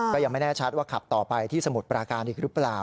ก็ยังไม่แน่ชัดว่าขับต่อไปที่สมุทรปราการอีกหรือเปล่า